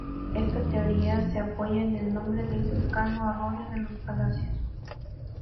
Esta teoría se apoya en el nombre del cercano arroyo de Los Palacios.